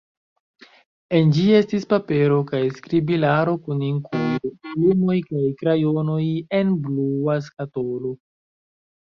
En ĝi estis papero kaj skribilaro kun inkujo, plumoj kaj krajonoj en blua skatolo.